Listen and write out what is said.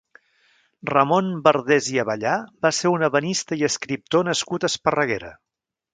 Ramon Bardés i Abellà va ser un ebenista i escriptor nascut a Esparreguera.